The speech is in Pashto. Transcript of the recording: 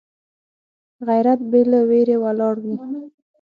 غیرت بې له ویرې ولاړ وي